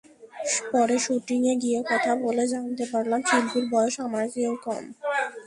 পরে শুটিংয়ে গিয়ে কথা বলে জানতে পারলাম, শিল্পীর বয়স আমার চেয়েও কম।